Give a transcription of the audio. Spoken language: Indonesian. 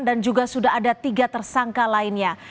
dan juga sudah ada tiga tersangka lainnya